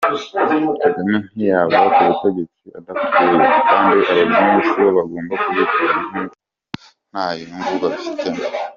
Kagame ntiyava ku butegetsi adapfuye, kandi abazungu sibo bagomba kubikora kuko nta nyungu babifitemo.